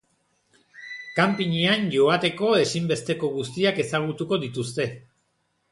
Kanpinean joateko ezinbesteko guztiak ezagutuko dituzte.